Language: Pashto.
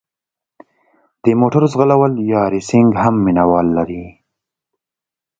د موټرو ځغلول یا ریسینګ هم مینه وال لري.